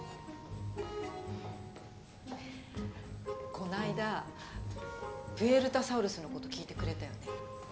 こないだプエルタサウルスのこと聞いてくれたよね？